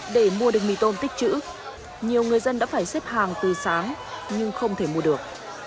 để mua được mì tôm tích chữ nhiều người dân đã phải xếp hàng từ sáng nhưng không thể mua được